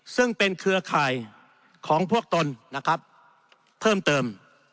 ซึ่งเป็นเครือข่ายของพวกตนนะครับเพิ่มเติม